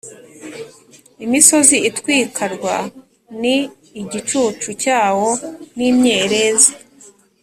Imisozi itwik rwa n igicucu cyawo N imyerezi